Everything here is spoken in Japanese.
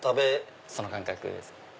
その感覚ですね。